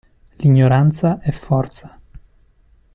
L'ignoranza è forza.